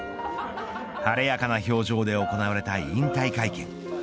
晴れやかな表情で行われた引退会見。